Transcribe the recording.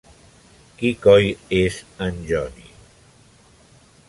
Qui coi és en Johnny?!